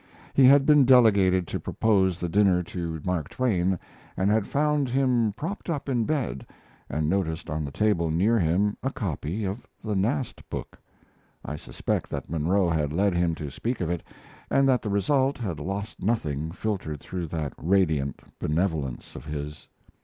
He had been delegated to propose the dinner to Mark Twain, and had found him propped up in bed, and noticed on the table near him a copy of the Nast book. I suspect that Munro had led him to speak of it, and that the result had lost nothing filtered through that radiant benevolence of his.